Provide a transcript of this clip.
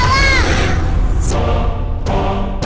kalau tidak kau akan terbunuh